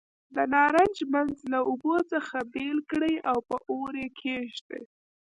د نارنج منځ له اوبو څخه بېل کړئ او په اور یې کېږدئ.